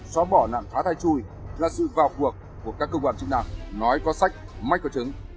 xóa bỏ nạn phá thai chui là sự vào cuộc của các cơ quan chức năng nói có sách may có trứng